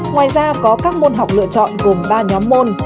ngoài ra có các môn học lựa chọn gồm ba nhóm môn